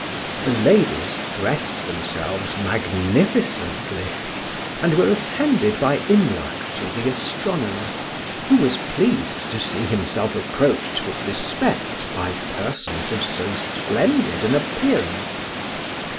The ladies dressed themselves magnificently, and were attended by Imlac to the astronomer, who was pleased to see himself approached with respect by persons of so splendid an appearance.